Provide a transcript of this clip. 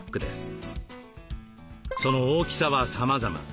その大きさはさまざま。